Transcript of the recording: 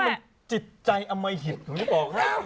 คุณนี่มันจิตใจอมัยหิตผมจะบอกให้